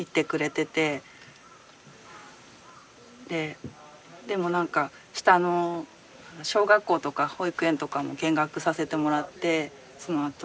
ででも何か下の小学校とか保育園とかも見学させてもらってそのあと。